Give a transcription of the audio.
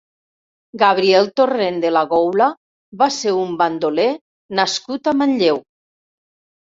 Gabriel Torrent de la Goula va ser un bandoler nascut a Manlleu.